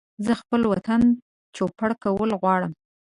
زه خپل وطن ته چوپړ کول غواړم